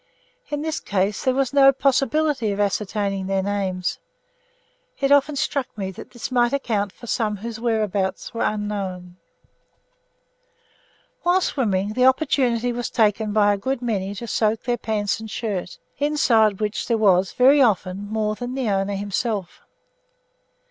In this case there was no possibility of ascertaining their names. It often struck me that this might account for some whose whereabouts were unknown. While swimming, the opportunity was taken by a good many to soak their pants and shirts, inside which there was, very often, more than the owner himself.